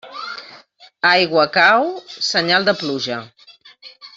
Aigua cau? Senyal de pluja.